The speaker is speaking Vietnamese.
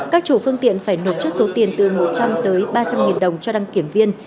các chủ phương tiện phải nộp chất số tiền từ một trăm linh ba trăm linh đồng cho đăng kiểm viên